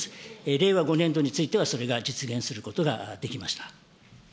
令和５年度については、それが実現することができました。